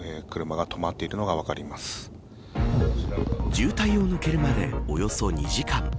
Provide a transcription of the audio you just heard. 渋滞を抜けるまでおよそ２時間。